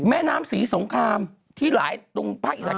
แม่น้ำสีสูงคลามที่หลายพระอิสักษพรรณ